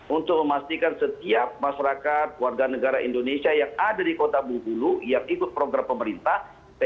untuk memastikan setiap masyarakat warga negara indonesia yang ada di kota bengkulu yang ikut program pemerintah